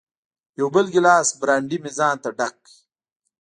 یو بل ګیلاس برانډي مې ځانته ډک کړ.